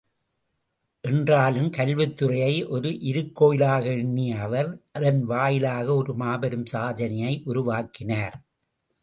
என்றாலும், கல்வித்துறையை ஒரு இருக்கோயிலாக எண்ணிய அவர், அதன் வாயிலாக ஒரு மாபெரும் சாதனையை உருவாக்கினார்!